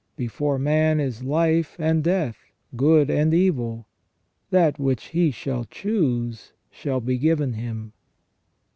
Before man is life and death, good and evil; that which he shall choose shall be given him."